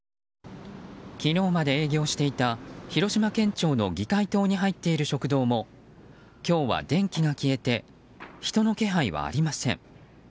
昨日まで営業していた広島県庁の議会棟に入っている食堂も今日は電気が消えて人の気配はありません。